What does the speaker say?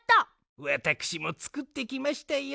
わたくしもつくってきましたよ。